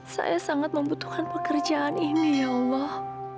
saya sangat membutuhkan pekerjaan ini ya allah